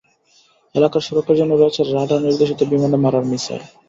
এলাকার সুরক্ষার জন্য রয়েছে রাডার-নির্দেশিত বিমানে মারার মিসাইল।